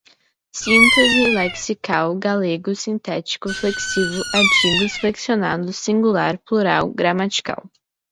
sintaxe, lexical, galego, sintético, flexivo, artigos, flexionados, singular, plural, gramatical